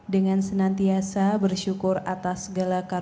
dengan senantiasa bersyukur atas segala keadaan